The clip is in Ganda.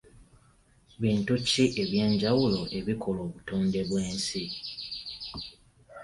Bintu ki ebyenjawulo ebikola obutonde bw'ensi?